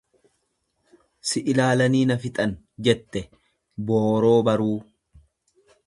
"""Si ilaalanii na fixan"" jette booroo baruu."